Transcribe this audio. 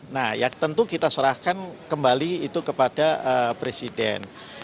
nah ya tentu kita serahkan kembali itu kepada presiden